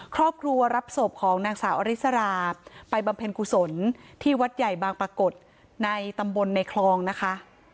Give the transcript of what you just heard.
ครอบครัวรับศพของนางสาวอริสราไปบำเพ็ญกุศลที่วัดใหญ่บางปรากฏในตำบลในคลองนะคะ